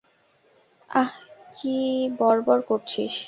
আঃ কী বর-বর করছিস।